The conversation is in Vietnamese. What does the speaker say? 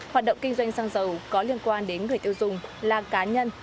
hoạt động kinh doanh xăng dầu có liên quan đến người tiêu dùng là cá nhân